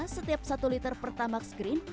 setiap satu liter pertama skrin